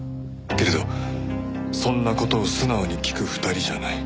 けれどそんな事を素直に聞く２人じゃない。